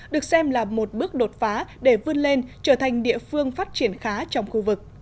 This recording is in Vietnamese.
được xem là một bước đột phá để vươn lên trở thành địa phương phát triển khá trong khu vực